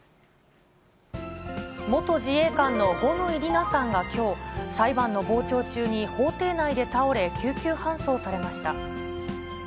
元自衛官の五ノ井里奈さんがきょう、裁判の傍聴中に法廷内で倒れ、救急搬送されました。